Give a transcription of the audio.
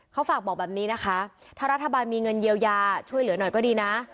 เขาฝากบอกแบบนี้นะคะถ้ารัฐบาลมีเงินเยียวยาช่วยเหลือหน่อยก็ดีนะ